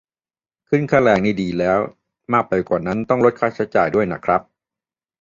ขึ้นค่าแรงนี่ดีแล้ว มากไปกว่านั้นต้องลดค่าใช้จ่ายด้วยน่ะครับ